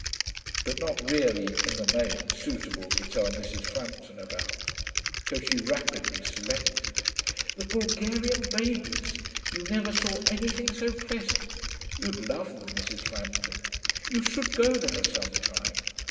But not really, in the main, suitable to tell Mrs. Frampton about, so she rapidly selected. 'The Bulgarian babies you never saw anything so pleasant. You'd love them, Mrs. Frampton. You should go there some time.